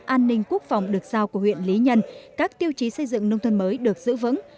an ninh quốc phòng được giao của huyện lý nhân các tiêu chí xây dựng nông thôn mới được giữ vững